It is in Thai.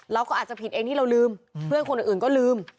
เราก็อาจจะผิดเองที่เราลืมเพื่อนคนอื่นก็ลืม